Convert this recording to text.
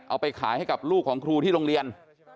เอาไปขายให้กับลูกของครูที่โรงเรียน